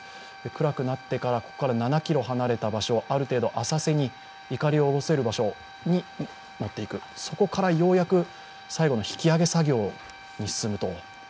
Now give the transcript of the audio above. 暗くなってから、ここから７ｋｍ離れた場所ある程度浅瀬にいかりを下ろせる場所に持っていく、そこからようやく最後の引き揚げ作業に進むと。